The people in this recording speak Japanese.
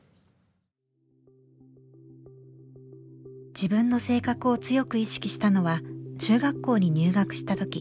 自分の性格を強く意識したのは中学校に入学した時。